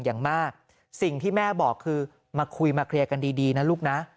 อย่างมากสิ่งที่แม่บอกคือมาคุยมาเคลียร์กันดีนะลูกนะ